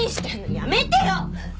やめてよ！